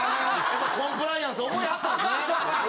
コンプライアンス覚えはったんですね。